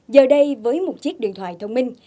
giờ đây với một chiếc điện thoại thông minh